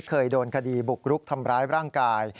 เคยโดนคดีบุกรุกทำร้ายร่างกาย